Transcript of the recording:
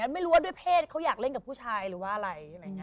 ไม่รู้ว่าด้วยเพศเขาอยากเล่นกับผู้ชายหรือว่าอะไร